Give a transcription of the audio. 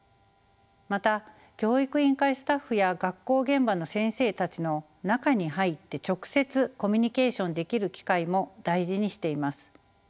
また教育委員会スタッフや学校現場の先生たちの中に入って直接コミュニケーションできる機会も大事にしています。